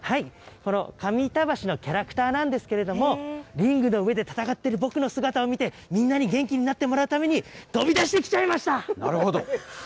この上板橋のキャラクターなんですけれども、リングの上で戦ってる僕の姿を見て、みんなに元気になってもらうために飛び出しなるほど。